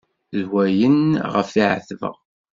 D wayen ɣef̣ i ɛetbeɣ.